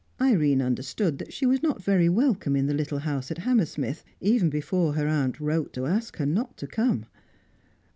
Irene understood that she was not very welcome in the little house at Hammersmith, even before her aunt wrote to ask her not to come.